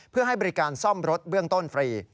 เพื่อให้บริการซ่อมรถเบื้องต้นฟรี